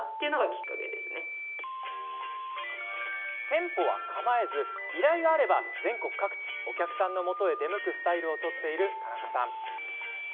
店舗は構えず、依頼があれば全国各地、お客さんのもとへ出向くスタイルを取っている田中さん。